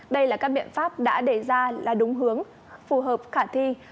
đây là các biện pháp đã đề ra là đúng hướng phù hợp khả thi